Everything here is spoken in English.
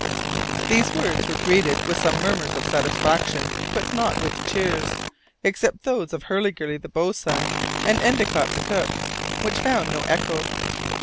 These words were greeted with some murmurs of satisfaction, but not with cheers, except those of Hurliguerly the boatswain, and Endicott the cook, which found no echo.